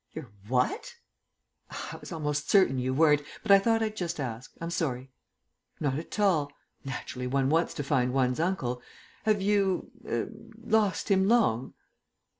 "Your what?" "I was almost certain you weren't, but I thought I'd just ask. I'm sorry." "Not at all. Naturally one wants to find one's uncle. Have you er lost him long?"